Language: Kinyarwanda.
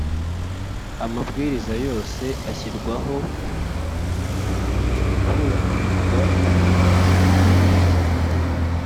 Amabwiriza yose ashyirwaho hubahirizwa iyi ntego